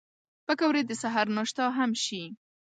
پکورې د سهر ناشته هم شي